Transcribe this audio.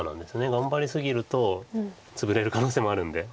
頑張り過ぎるとツブれる可能性もあるんで。